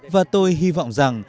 và tôi hy vọng rằng